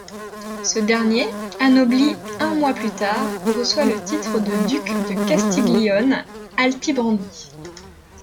Ce dernier, anobli un mois plus tard, reçoit le titre de duc de Castiglione-Altibrandi.